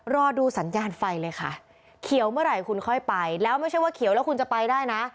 รอดูสัญญาณไฟเลยค่ะเขียวเมื่อไหร่คุณค่อยไปแล้วไม่ใช่ว่าเขียวแล้วคุณจะไปได้นะ